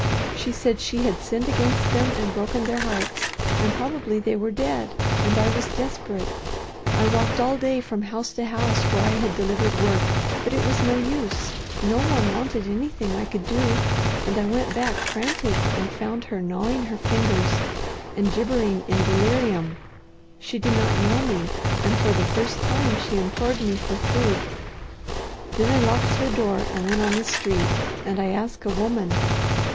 She said she had sinned against them and broken their hearts, and probably they were dead, and I was desperate. I walked all day from house to house where I had delivered work, but it was no use; no one wanted anything I could do, and I went back frantic, and found her gnawing her fingers and gibbering in delirium. She did not know me, and for the first time she implored me for food. "Then I locked the door and went on the street and I asked a woman.